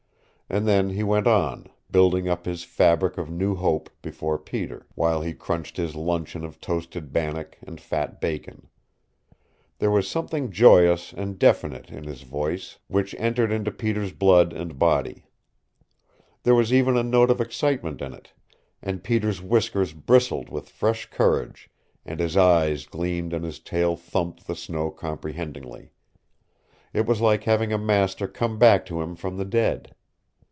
And then he went on, building up his fabric of new hope before Peter, while he crunched his luncheon of toasted bannock and fat bacon. There was something joyous and definite in his voice which entered into Peter's blood and body. There was even a note of excitement in it, and Peter's whiskers bristled with fresh courage and his eyes gleamed and his tail thumped the snow comprehendingly. It was like having a master come back to him from the dead.